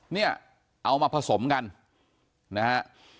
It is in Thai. เนี่ยเอามาผสมกันนะฮะ